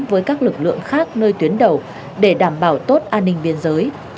với các lực lượng khác nơi tuyến đầu để đảm bảo tốt an ninh biên giới